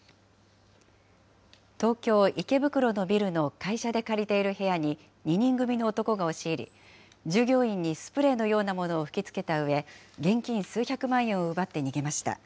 東京・池袋のビルの会社で借りている部屋に２人組の男が押し入り、従業員にスプレーのようなものを吹きつけたうえ、現金数百万円を奪って逃げました。